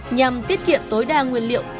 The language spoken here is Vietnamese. nhằm tiết kiệm tối đa nguyên liệu